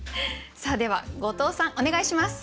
では後藤さんお願いします。